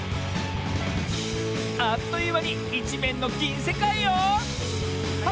あっというまにいちめんのぎんせかいよ！